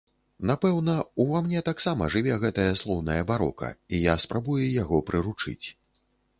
Напэўна, ува мне таксама жыве гэтае слоўнае барока, і я спрабую яго прыручыць.